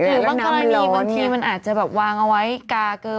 หรือบางคราวนี้บางทีมันอาจจะวางเอาไว้กาเกลอ